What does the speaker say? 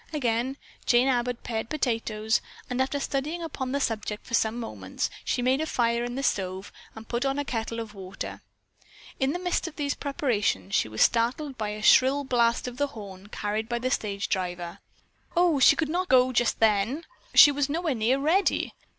Again Jane Abbott pared potatoes and after studying upon the subject for some moments she made a fire in the stove and put on a kettle of water. In the midst of these preparations she was startled by the shrill blast of the horn carried by the stage driver. Oh, she could not go just then. She was nowhere near ready.